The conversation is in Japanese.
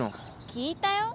聞いたよ